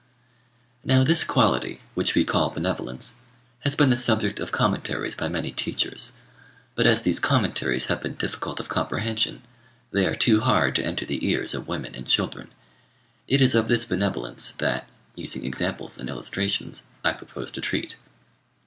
Now this quality, which we call benevolence, has been the subject of commentaries by many teachers; but as these commentaries have been difficult of comprehension, they are too hard to enter the ears of women and children. It is of this benevolence that, using examples and illustrations, I propose to treat.